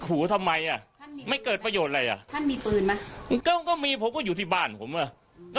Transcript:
ก็ผมไม่เคยยุ่งเค้าเลย